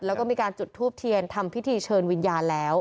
แล้วก็มีการจุดทูบเทียนทำพิธีเชิญวิญญาณแล้ว